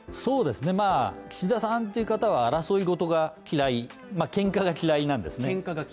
岸田さんって方は争いごとが嫌い喧嘩が嫌いなんですね